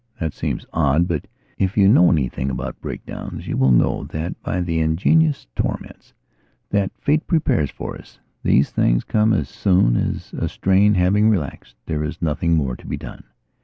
That seems odd but, if you know anything about breakdowns, you will know that by the ingenious torments that fate prepares for us, these things come as soon as, a strain having relaxed, there is nothing more to be done.